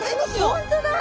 本当だ！